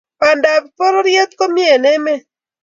pandap pororyet ko mie eng emet